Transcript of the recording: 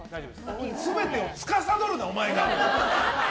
全てをつかさどるな、お前が。